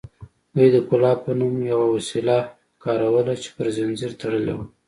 دوی د قلاب په نوم یوه وسله کاروله چې پر زنځیر تړلې وه